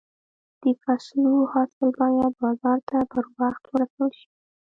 د فصلو حاصل باید بازار ته پر وخت ورسول شي.